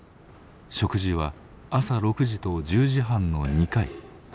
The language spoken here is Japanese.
食事は朝６時と１０時半の２回。